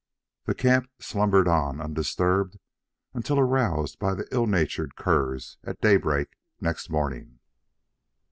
The camp slumbered on undisturbed until aroused by the ill natured curs at daybreak next morning.